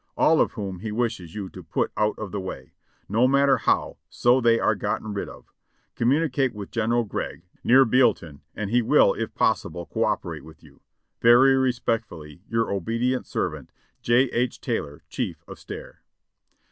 All of whom he wishes you to put out of the way — no matter how, so they are gotten rid of. Communicate wuth General Gregg, near Bealeton, and he will, if possible, co operate with you. ■'Verv respectfully, your obedient servant, "J. H. Taylor, ''Chief of Staff."